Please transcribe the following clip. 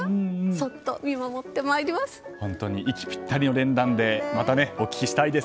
そっと見守ってまいります。